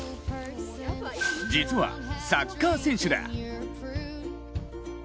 実はサッカー選手だ。